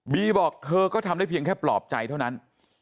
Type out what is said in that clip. บอกเธอก็ทำได้เพียงแค่ปลอบใจเท่านั้น